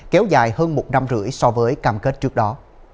kéo dài hơn một năm rưỡi so với cam kết trước đó